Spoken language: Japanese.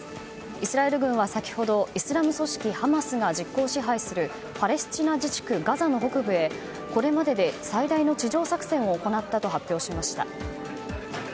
イスラエル軍は先ほどイスラム組織ハマスが実効支配するパレスチナ自治区ガザの北部へこれまでで最大の地上作戦を行ったと発表しました。